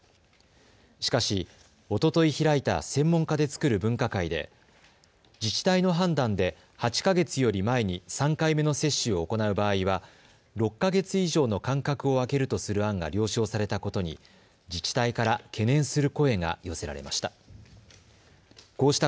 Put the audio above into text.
しかし、おととい開いた専門家で作る分科会で自治体の判断で８か月より前に３回目の接種を行う場合は６か月以上の間隔を空けるとする案が了承されたことに自治体から懸念する声が寄せられました。